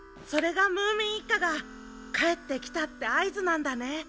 それがムーミン一家が帰ってきたって合図なんだね。